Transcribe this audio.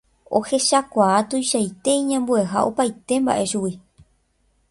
ohechakuaa tuichaite iñambueha opaite mba'e chugui